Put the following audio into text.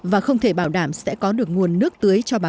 và không thể bảo đảm sẽ có những điều kiện